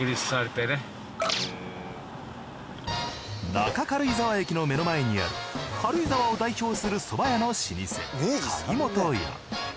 中軽井沢駅の目の前にある軽井沢を代表するそば屋の老舗かぎもとや。